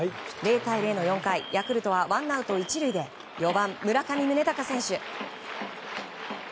０対０の４回ヤクルトはワンアウト１塁で４番、村上宗隆選手。